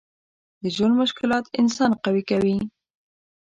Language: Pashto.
د ژوند مشکلات انسان قوي کوي.